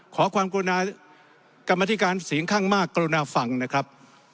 ขอความกรุณากรรมธิการเสียงข้างมากกรุณาฟังนะครับ